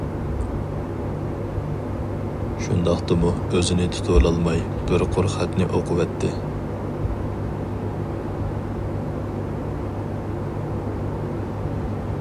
شۇنداقتىمۇ ئۆزىنى تۇتۇۋالالماي بىر قۇر خەتنى ئوقۇۋەتتى.